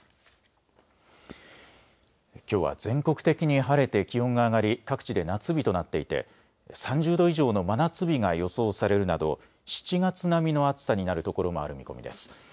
きょうは全国的に晴れて気温が上がり各地で夏日となっていて３０度以上の真夏日が予想されるなど７月並みの暑さになるところもある見込みです。